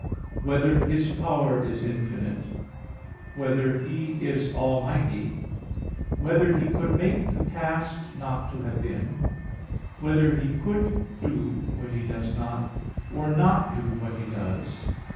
(2) Whether His power is infinite? (3) Whether He is almighty? (4) Whether He could make the past not to have been? (5) Whether He could do what He does not, or not do what He does?